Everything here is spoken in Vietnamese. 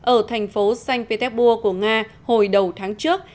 ở thành phố sanh petepur của nga hồi đầu tháng trước